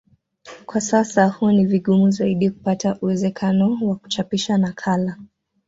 Kwa sasa huwa ni vigumu zaidi kupata uwezekano wa kuchapisha nakala